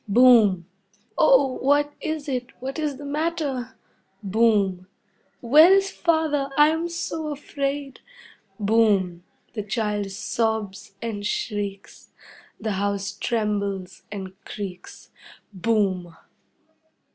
Boom! "Oh! What is it? What is the matter?" Boom! "Where is Father? I am so afraid." Boom! The child sobs and shrieks. The house trembles and creaks. Boom!